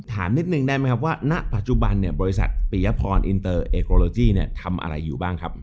ถามนิดนึงได้ไหมครับว่าณปัจจุบันเนี่ยบริษัทปียพรอินเตอร์เอโกโลจี้เนี่ยทำอะไรอยู่บ้างครับ